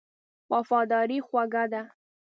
وفاداري خوږه ده.